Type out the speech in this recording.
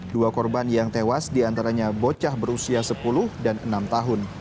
dua korban yang tewas diantaranya bocah berusia sepuluh dan enam tahun